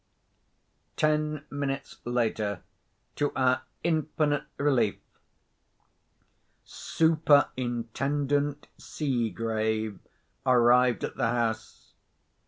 Ten minutes later, to our infinite relief; Superintendent Seegrave arrived at the house.